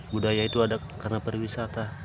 budaya itu ada karena para wisata